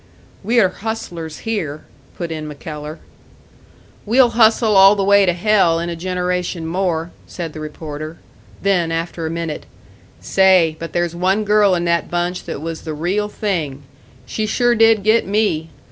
"We're hustlers here," put in MacKellar. "We'll hustle all the way to hell in a generation more," said the reporter. Then, after a minute, "Say, but there's one girl in that bunch that was the real thing! She sure did get me!